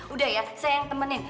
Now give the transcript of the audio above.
udah ya saya yang temenin